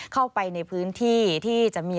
เข้าไปในพื้นที่ที่จะมี